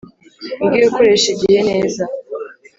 Mwige gukoresha igihe neza .